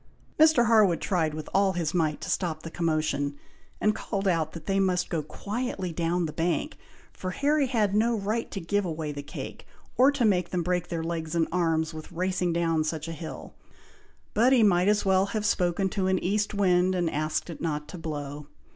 Mr. Harwood tried with all his might to stop the commotion, and called out that they must go quietly down the bank, for Harry had no right to give away the cake, or to make them break their legs and arms with racing down such a hill: but he might as well have spoken to an east wind, and asked it not to blow.